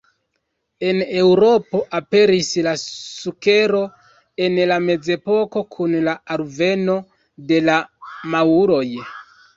En Eŭropo aperis la sukero en la Mezepoko kun la alveno de la maŭroj.